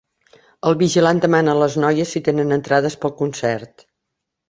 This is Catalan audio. El vigilant demana a les noies si tenen entrades per al concert.